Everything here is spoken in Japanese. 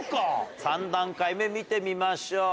３段階目見てみましょう。